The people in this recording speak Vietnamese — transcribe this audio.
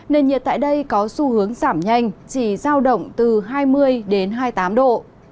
nền nhiệt tại đây có xu hướng giảm nhanh chỉ giao động từ hai mươi đến hai mươi tám độ